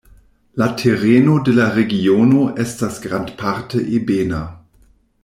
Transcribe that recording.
La tereno de la regiono estas grandparte ebena.